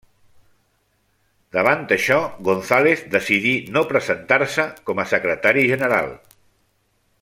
Davant això, González decidí no presentar-se com a secretari general.